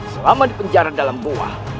selama di penjara dalam buah